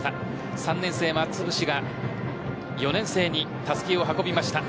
３年生の増渕が４年生にたすきを運びました。